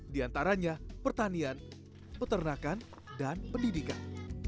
di antaranya pertanian peternakan dan pendidikan